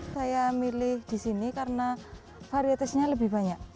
saya milih disini karena varietesnya lebih banyak